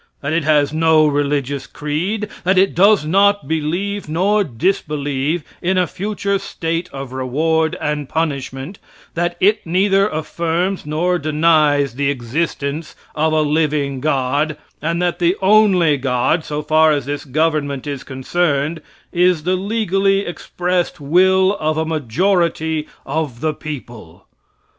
That it has no religious creed; that it does not believe nor disbelieve in a future state of reward and punishment; that it neither affirms nor denies the existence of a "living God;" and that the only god, so far as this government is concerned; is the legally expressed will of a majority of the people.